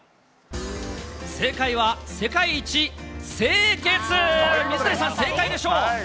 正解は、世界一清潔、水谷さん、正解でしょう。